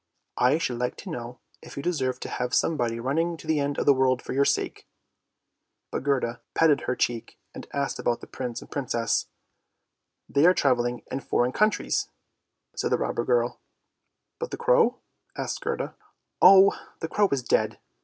" I should like to know if you deserve to have some body running to the end of the world for your sake! " But Gerda patted her cheek, and asked about the Prince and Princess. " They are travelling in foreign countries," said the robber girl '„" But the crow? " asked Gerda. " Oh, the crow is dead!